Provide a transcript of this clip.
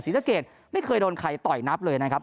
ศรีเทศเกียร์ไม่เคยโดนใครต่อยนับเลยนะครับ